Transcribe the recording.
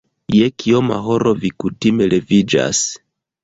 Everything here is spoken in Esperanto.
Je kioma horo vi kutime leviĝas?